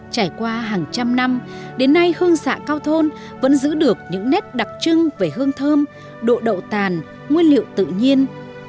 trải qua hàng trăm năm đến nay hương xạ cao thôn vẫn giữ được những nét đặc trưng về hương thơm độ đậu tàn nguyên liệu tự nhiên